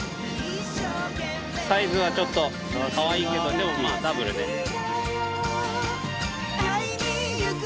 サイズはちょっとかわいいけどでもまあダブルで。え？